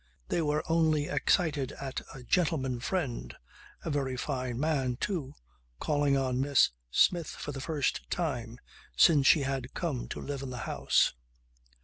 They were only excited at a "gentleman friend" (a very fine man too) calling on Miss Smith for the first time since she had come to live in the house.